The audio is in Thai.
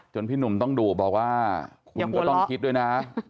พี่หนุ่มต้องดุบอกว่าคุณก็ต้องคิดด้วยนะ